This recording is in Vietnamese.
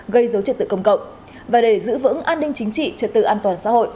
gây dối trật tự công cộng và để giữ vững an ninh chính trị trật tự an toàn xã hội